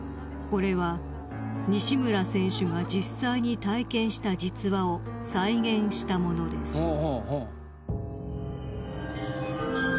［これは西村選手が実際に体験した実話を再現したものです］